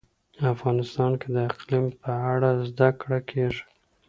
افغانستان کې د اقلیم په اړه زده کړه کېږي.